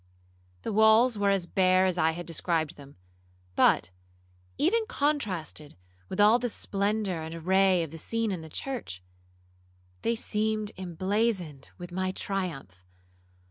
The walls were as bare as I had described them, but, even contrasted with all the splendour and array of the scene in the church, they seemed emblazoned with my triumph.